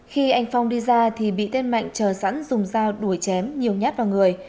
khi anh phong đi ra thì bị tên mạnh chờ sẵn dùng dao đuổi chém nhiều nhát vào người